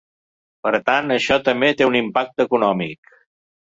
Per tant, això també té un impacte econòmic.